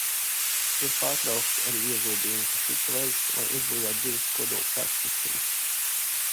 Ir pārtraukti arī ieguldījumi, kas tika veikti, lai uzbūvētu divas kodolspēkstacijas.